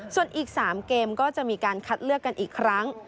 ส่วนอีก๓เกมก็จะมีการคัดเลือกกันอีกครั้ง